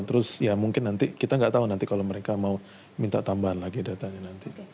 terus ya mungkin nanti kita nggak tahu nanti kalau mereka mau minta tambahan lagi datanya nanti